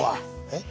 えっ？